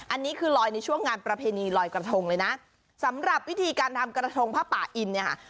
อันนี้คือลอยในช่วงงานประเพณีลอยกระทงเลยนะสำหรับวิธีการทำกระทงผ้าป่าอินเนี่ยค่ะ